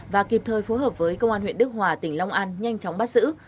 và kịp thời phối hợp với công an huyện đức hòa tỉnh long an nhanh chóng bắt giữ